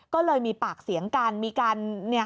ก็เลยมีปากเสียงกันมีการ